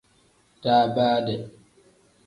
Daabaade.